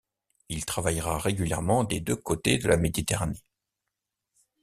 Il travaillera régulièrement des deux côtés de la méditerranée.